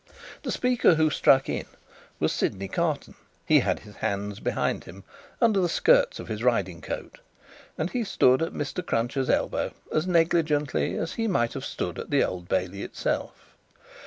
The speaker who struck in, was Sydney Carton. He had his hands behind him under the skirts of his riding coat, and he stood at Mr. Cruncher's elbow as negligently as he might have stood at the Old Bailey itself.